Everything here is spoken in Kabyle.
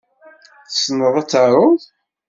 Tessneḍ ad taruḍ?